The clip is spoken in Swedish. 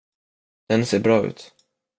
Den ser bra ut.